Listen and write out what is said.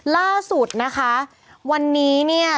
ล่าสุดนะคะวันนี้เนี่ย